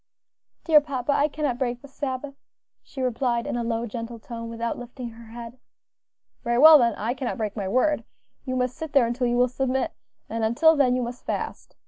"Dear papa, I cannot break the Sabbath," she replied, in a low, gentle tone, without lifting her head. "Very well then, I cannot break my word; you must sit there until you will submit; and until then you must fast.